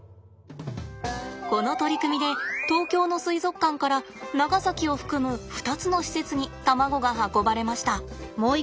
この取り組みで東京の水族館から長崎を含む２つの施設に卵が運ばれました。